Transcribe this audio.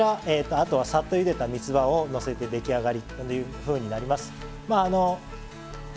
あとはサッとゆでたみつばをのせて出来上がりというふうになります。